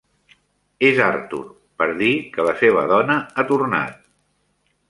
És Arthur, per dir que la seva dona ha tornat.